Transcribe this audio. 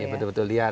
iya betul betul liar